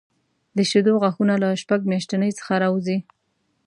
د شېدو غاښونه له شپږ میاشتنۍ څخه راوځي.